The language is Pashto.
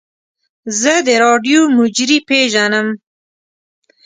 زه د راډیو مجری پیژنم.